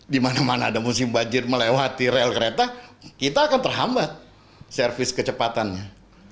di mana mana ada musim bajir melewati rel kereta kita akan terhambat servis kecepatannya